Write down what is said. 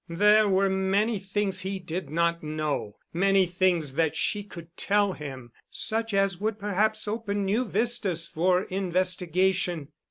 There were many things he did not know, many things that she could tell him, such as would perhaps open new vistas for investigation.